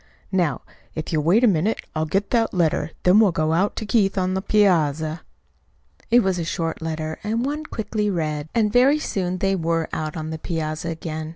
"Now, if you'll wait a minute I'll get that letter, then we'll go out to Keith on the piazza." It was a short letter, and one quickly read; and very soon they were out on the piazza again.